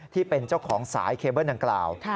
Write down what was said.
ที่เป็นเจ้าของสายเคเบิ้ลดังกล่าว